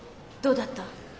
どうだった？